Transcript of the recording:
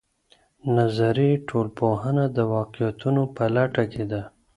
نظري ټولنپوهنه د واقعيتونو په لټه کې ده.